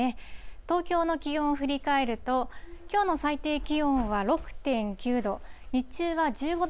東京の気温、振り返ると、きょうの最低気温は６．９度。